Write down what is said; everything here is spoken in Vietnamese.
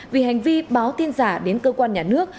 vì hành vi báo tin giả đến cơ quan nhà nước